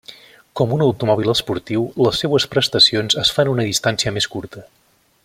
Com un automòbil esportiu, les seues prestacions es fan a una distància més curta.